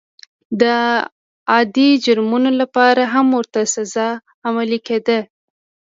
د عادي جرمونو لپاره هم ورته سزا عملي کېده.